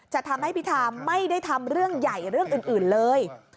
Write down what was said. จะทำให้พิธาไม่ได้ทำเรื่องใหญ่เรื่องอื่นเลย